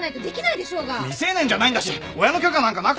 未成年じゃないんだし親の許可なんかなくたって。